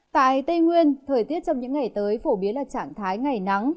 tại tây nguyên thời tiết trong những ngày tới phổ biến là trạng thái ngày nắng